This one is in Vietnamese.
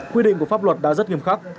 quy định của pháp luật đã rất nghiêm khắc